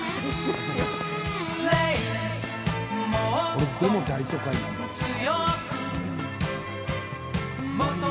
これでも大都会なんだよね。